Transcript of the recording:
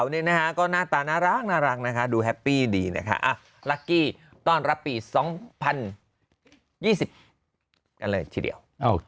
วิทยาลัยจานยี่สิบนั่นเลยทีเดียว